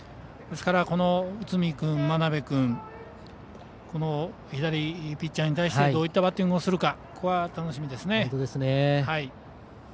ですから内海君、真鍋君この左ピッチャーに対してどういったバッティングをするか楽しみですね。